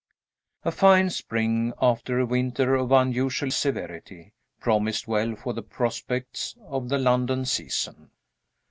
A FINE spring, after a winter of unusual severity, promised well for the prospects of the London season.